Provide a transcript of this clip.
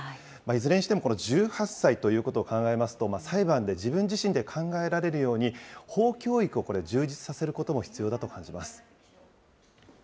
いずれにしても、１８歳ということを考えますと、裁判で自分自身で考えられるように法教育をこれ、充実させることも必要だと感じます。